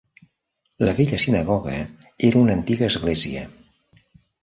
La vella sinagoga era una antiga església.